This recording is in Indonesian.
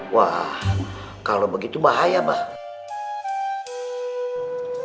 wah kalau begitu bahaya mbah